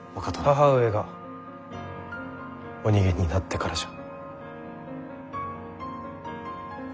母上がお逃げになってからじゃ。